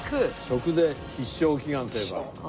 食で必勝祈願といえば。